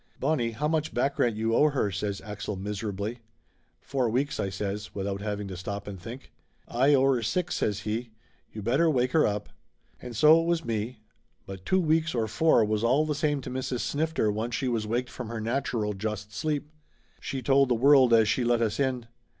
"Bonnie, how much back rent you owe her?" says Axel miserably. "Four weeks," I says without having to stop and think. "Aye owe her six," says he. "You better wake her up!"' And so it was me. But two weeks or four was all the same to Mrs. Snifter once she was waked from her natural just sleep! She told the world as she let us in.